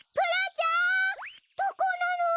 どこなの？